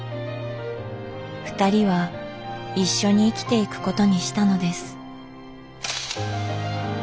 ふたりは一緒に生きていくことにしたのです。